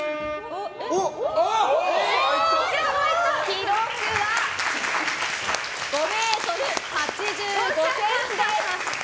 記録は５ｍ８５ｃｍです！